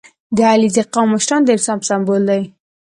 • د علیزي قوم مشران د انصاف سمبول دي.